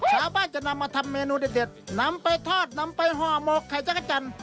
ชาวบ้านจะนำมาทำเมนูเด็ดนำไปทอดนำไปห่อหมกไข่จักรจันทร์